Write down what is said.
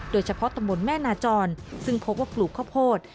ตำบลแม่นาจรซึ่งพบว่าปลูกข้าวโพด